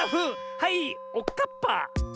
はいおっかっぱ！